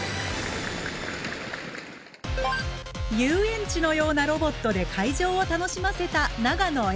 遊園地のようなロボットで会場を楽しませた長野Ａ。